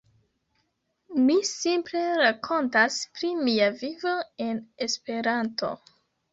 Mi simple rakontas pri mia vivo en Esperanto.